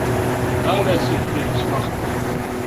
Da lässt sich nichts machen.